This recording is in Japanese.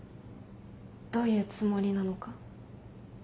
どういうつもりなのか。